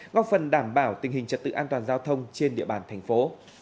góp phần đảm bảo tình hình trật tự an toàn giao thông trên địa bàn thành phố